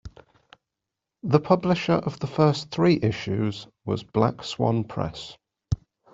The publisher of the first three issues was Black Swan Press.